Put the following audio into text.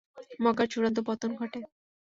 মক্কার চুড়ান্ত পতন ঘটে।